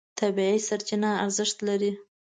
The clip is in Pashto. طبیعي سرچینه ارزښت لري.